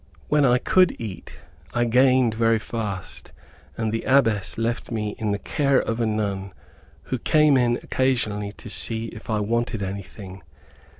When I could eat, I gained very fast, and the Abbess left me in the care of a nun, who came in occasionally to see if I wanted anything.